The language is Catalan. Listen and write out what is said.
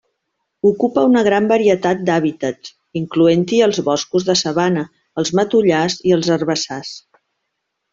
Ocupa una gran varietat d'hàbitats, incloent-hi els boscos de sabana, els matollars i els herbassars.